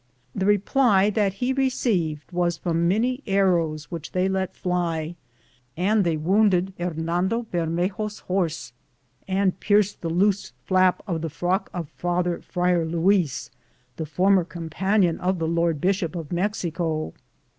The reply that he received was from many arrows which they let fly, and they wounded Hernando Bermejo's horse and pierced the loose flap of the frock of father Friar Luis, the former companion of the Lord Bishop of Mexico.